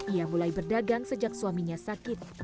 ia mulai berdagang sejak suaminya sakit